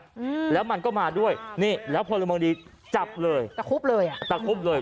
อืมแล้วมันก็มาด้วยนี่แล้วพลเมืองดีจับเลยตะคุบเลยอ่ะตะคุบเลย